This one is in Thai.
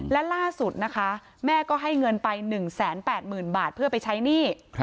และล่าสุดนะคะแม่ก็ให้เงินไป๑๘๐๐๐บาทเพื่อไปใช้หนี้